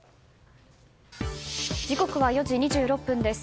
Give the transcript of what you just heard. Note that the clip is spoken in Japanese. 時刻は４時２６分です。